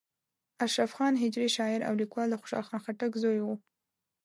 اشرف خان هجري شاعر او لیکوال د خوشحال خان خټک زوی و.